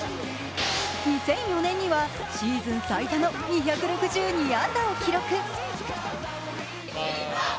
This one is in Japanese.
２００４年にはシーズン最多の２６２安打を記録。